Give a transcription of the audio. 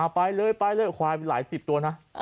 ไปเลยไปเลยควายไปหลายสิบตัวนะ